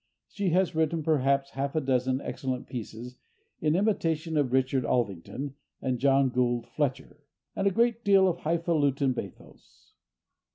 She has written perhaps half a dozen excellent pieces in imitation of Richard Aldington and John Gould Fletcher, and a great deal of highfalutin bathos.